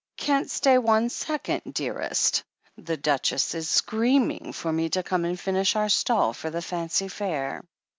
"... Can't stay one second, dearest. The Duchess is screaming for me to come and finish our stall for the Fancy Fair. .